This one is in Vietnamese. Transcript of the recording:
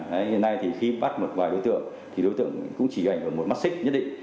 hiện nay thì khi bắt một vài đối tượng thì đối tượng cũng chỉ ảnh ở một mắt xích nhất định